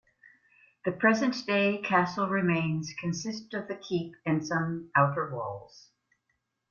The present-day castle remains consist of the keep and some outer walls.